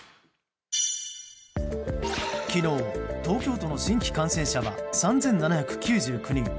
昨日、東京都の新規感染者は３７９９人。